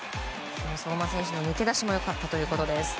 相馬選手の抜け出しも良かったということです。